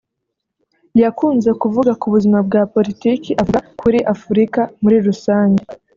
yakunze kuvuga ku buzima bwa politiki avuga kuri Afurika muri rusange